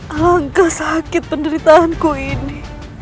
alangkah sakit penderitaanku ini